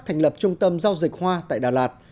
thành lập trung tâm giao dịch hoa tại đà lạt